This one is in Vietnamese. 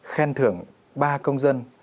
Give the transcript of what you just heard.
khen thưởng ba công dân